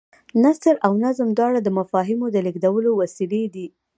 نثر او نظم دواړه د مفاهیمو د لېږدولو وسیلې دي.